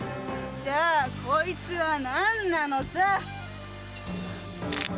じゃあこいつは何なのさ⁉